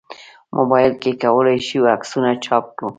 موبایل کې کولای شو عکسونه چاپ کړو.